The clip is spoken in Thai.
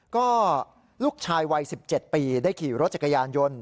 ก็ลูกชายวัย๑๗ปีได้ขี่รถจักรยานยนต์